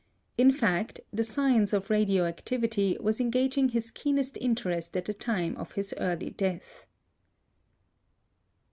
In fact, the science of radio activity was engaging his keenest interest at the time of his early death.